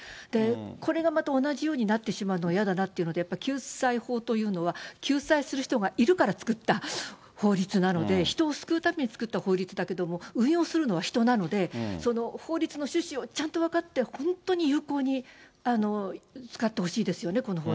これがまた同じようになってしまうのは嫌だなというので、やっぱり救済法というのは、救済する人がいるから作った法律なので、人を救うために作った法律だけども、運用するのは人なので、その法律の趣旨をちゃんと分かって、本当に有効に使ってほしいですよね、